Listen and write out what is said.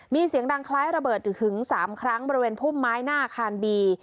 มีเสียงดังคล้ายระเบิดหึง๓ครั้งบริเวณพุ่มไม้หน้าอาคารบี